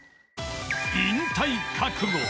［引退覚悟］